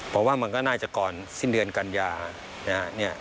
ผมว่ามันก็น่าจะก่อนสิ้นเดือนกันยานะฮะ